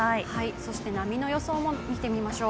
そして波の予想も見てみましょう。